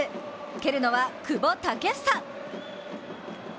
蹴るのは久保建英！